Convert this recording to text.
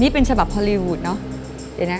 นี่เป็นฉบับฮอลลีวูดเนอะเดี๋ยวนะ